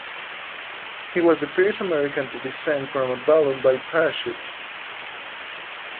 He was the first American to descend from a balloon by parachute.